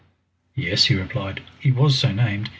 "Yes," he replied. "He was so named.